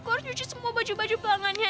gua harus cuci semua baju baju pelanggannya